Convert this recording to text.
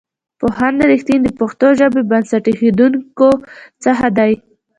پوهاند رښتین د پښتو ژبې بنسټ ایښودونکو څخه دی.